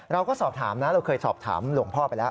เราก็สอบถามนะเราเคยสอบถามหลวงพ่อไปแล้ว